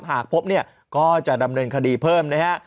หากพบก็จะดำเนินคดีเพิ่มนะครับ